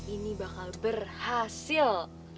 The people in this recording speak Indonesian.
ini bakal berhasil